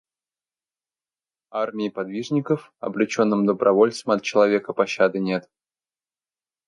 Армии подвижников, обреченным добровольцам от человека пощады нет!